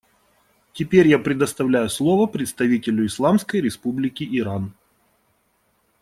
Теперь я предоставляю слово представителю Исламской Республики Иран.